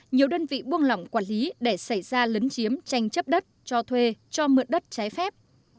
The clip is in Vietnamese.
nhiều đơn vị buông lỏng quản lý để xảy ra lấn chiếm tranh chấp đất cho thuê cho mượn đất trái phép